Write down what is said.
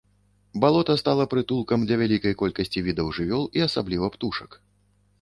Балота стала прытулкам для вялікай колькасці відаў жывёл і асабліва птушак.